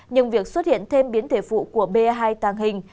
nhưng việc xuất hiện thêm biến thể phụ của b hai tàng hình